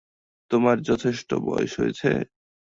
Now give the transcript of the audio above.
তোর যথেষ্ট বয়স হয়েছে?